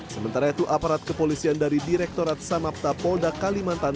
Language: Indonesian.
sementara itu aparat kepolisian dari direktorat samapta polda kalimantan